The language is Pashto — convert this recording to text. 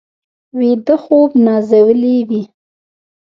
ویده خوب نازولي وي